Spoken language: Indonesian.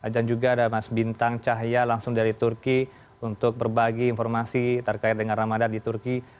dan juga ada mas bintang cahya langsung dari turki untuk berbagi informasi terkait dengan ramadan di turki